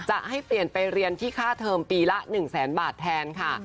จะให้เปลี่ยนไปเรียนที่ค่าเทอมปีละ๑แสนบาทแทนค่ะ